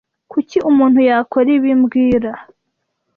Kuki umuntu yakora ibi mbwira